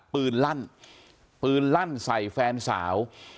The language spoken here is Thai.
ลั่นปืนลั่นใส่แฟนสาว